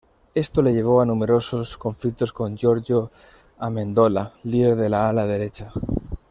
Esto le llevó a numerosos conflictos con Giorgio Amendola, líder del ala derecha.